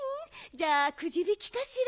じゃあくじびきかしら？